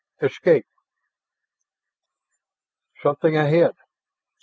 ESCAPE "Something ahead!"